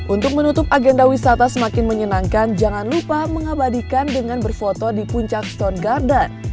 untuk menutup agenda wisata semakin menyenangkan jangan lupa mengabadikan dengan berfoto di puncak stone garden